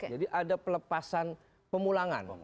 jadi ada pelepasan pemulangan